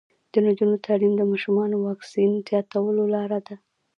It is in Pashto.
د نجونو تعلیم د ماشومانو واکسین زیاتولو لاره ده.